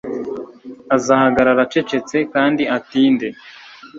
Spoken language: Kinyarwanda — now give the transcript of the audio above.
Azahagarara acecetse kandi atinde